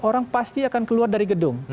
orang pasti akan keluar dari gedung